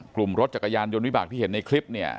รถจักรยานยนต์วิบากที่เห็นในคลิปเนี่ย